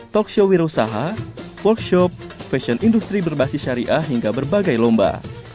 talkshow wirusaha workshop fashion industry berbasis syariah hingga berbagai lomba